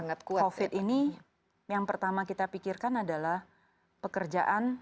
nah pada saat covid ini yang pertama kita pikirkan adalah pekerjaan